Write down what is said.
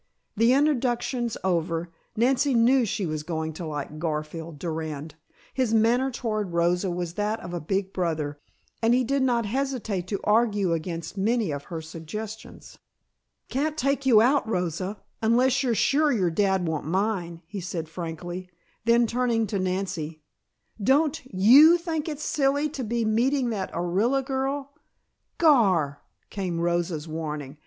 The introductions over, Nancy knew she was going to like Garfield Durand. His manner toward Rosa was that of a big brother, and he did not hesitate to argue against many of her suggestions. "Can't take you out, Rosa, unless you're sure your dad won't mind," he said frankly. Then turning to Nancy, "Don't you think it's silly to be meeting that Orilla girl " "Gar!" came Rosa's warning.